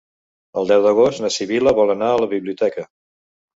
El deu d'agost na Sibil·la vol anar a la biblioteca.